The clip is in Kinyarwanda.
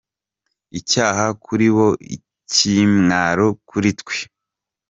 Icyaha kuri bo, Ikimwaro kuri twe.